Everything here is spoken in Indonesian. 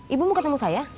ibu mau ketemu saya